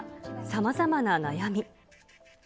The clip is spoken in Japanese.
さまざまな悩み。